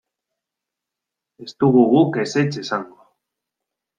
Ez dugu guk ezetz esango.